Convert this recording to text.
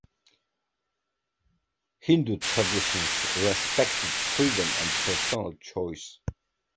Hindu traditions respected freedom and personal choice.